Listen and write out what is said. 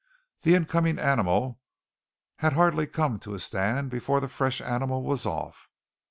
The incoming animal had hardly come to a stand before the fresh animal was off.